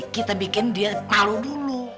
kita bikin dia malu dulu